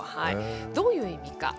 どういう意味か。